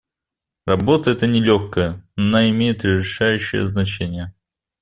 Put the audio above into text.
Работа эта нелегкая, но она имеет решающее значение.